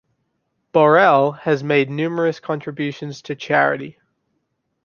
Borrell has made numerous contributions to charity.